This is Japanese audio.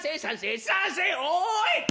「おい！